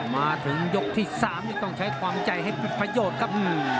มาถึงยกที่๓นี่ต้องใช้ความใจให้เป็นประโยชน์ครับ